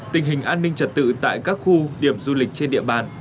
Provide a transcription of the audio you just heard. tình hình an ninh trật tự tại các khu điểm du lịch trên địa bàn